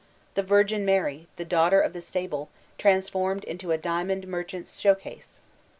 The Virgin Mary, the Daughter of the Stable, transformed into a diamond merchant's show* case!